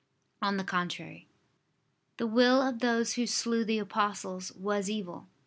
On the contrary, The will of those who slew the apostles was evil.